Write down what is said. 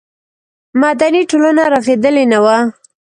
مدني ټولنه رغېدلې نه وه.